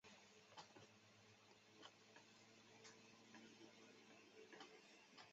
瑞秋宣称他最喜欢的电影是大片危险关系。